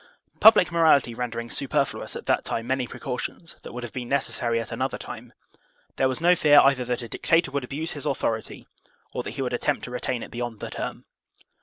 Public morality rendering superfluous at that time many precautions that would have been necessary at another time, there was no fear either that a dictator would abuse his authority or that he would attempt to retain it beyond the term.